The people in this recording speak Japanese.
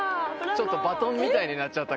ちょっとバトンみたいになっちゃった。